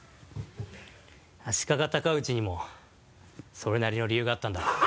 足利尊氏にもそれなりの理由があったんだろう。